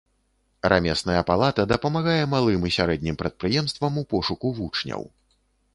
Рамесная палата дапамагае малым і сярэднім прадпрыемствам у пошуку вучняў.